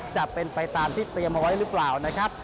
จะเป็นไปตามที่เตรียมเอาไว้หรือเปล่านะครับ